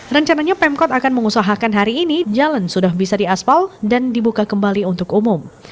rencananya pemkot akan mengusahakan hari ini jalan sudah bisa diaspal dan dibuka kembali untuk umum